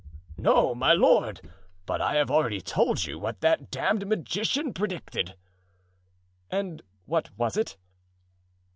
"No, my lord; but I have already told you what that damned magician predicted." "And what was it?"